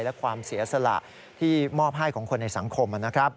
และความเสียสละที่มอบให้ของคนในสังคมนะครับ